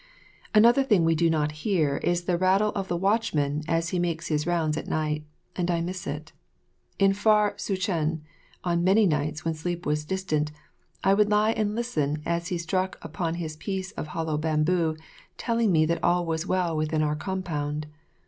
Another thing we do not hear is the rattle of the watchman as he makes his rounds at night, and I miss it. In far Sezchuan, on many nights when sleep was distant, I would lie and listen as he struck upon his piece of hollow bamboo telling me that all was well within our compound.